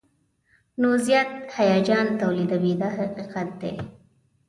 نو زیات هیجان تولیدوي دا حقیقت دی.